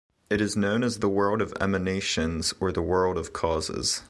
It is known as the World of Emanations, or the World of Causes.